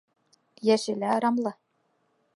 Йәше лә ырамлы.